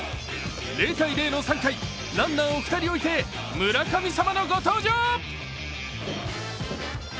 ０−０の３回、ランナーを２人置いて村神様の登場。